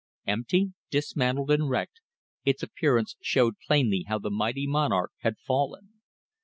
Empty, dismantled and wrecked, its appearance showed plainly how the mighty monarch had fallen.